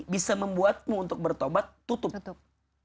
bisa membuatmu untuk bertobat tutup